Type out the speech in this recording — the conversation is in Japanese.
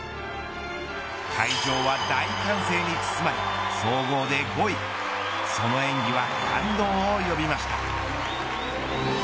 会場は大歓声に包まれ総合で５位その演技は感動を呼びました。